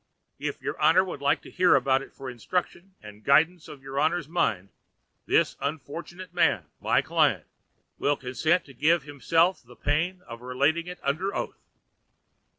If your Honor would like to hear about it for instruction and guidance of your Honor's mind, this unfortunate man, my client, will consent to give himself the pain of relating it under oath."